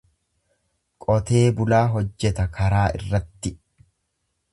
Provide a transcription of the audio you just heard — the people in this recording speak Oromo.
Qotee bulaa hojjeta karaa irratti.